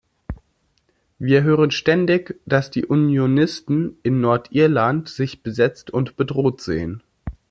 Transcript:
Wir hören ständig, dass die Unionisten in Nordirland sich besetzt und bedroht sehen.